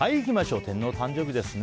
天皇誕生日ですね。